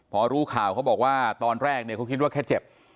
พอรู้ข่าวเขาบอกว่าตอนแรกเนี่ยเขาคิดว่าแค่เจ็บ